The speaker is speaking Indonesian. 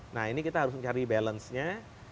nah ini kita harus mencari balancenya